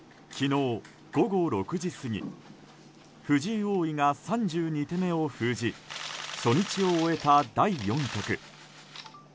昨日午後６時過ぎ藤井王位が３２手目を封じ初日を終えた第４局。